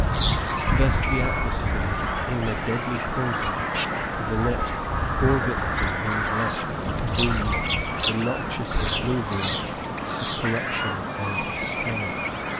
Thus the atmosphere became a deadly poison to the next poor victim who was left to breathe the noxious effluvia of corruption and decay.